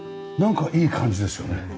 なんかいい感じですよね。